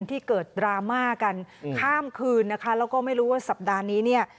ที่เกิดดราม่ากันข้ามคืนนะคะแล้วก็ไม่รู้ว่าสัปดาห์นี้เนี่ย